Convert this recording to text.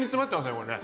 これね。